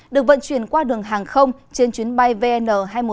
được vận chuyển qua đường hàng không trên chuyến bay vn hai mươi một